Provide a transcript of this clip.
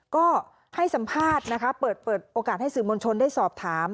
ก็ให้สัมภาษณ์นะคะเปิดโอกาสให้สื่อมวลชนได้สอบถาม